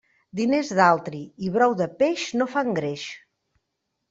Diners d'altri i brou de peix no fan greix.